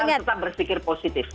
kita harus tetap berpikir positif